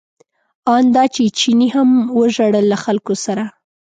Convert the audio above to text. ان دا چې چیني هم وژړل له خلکو سره.